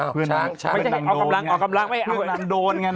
เวลานั้นโดนไง